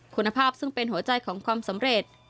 คุณภาพซึ่งเป็นหัวใจของความสำเร็จ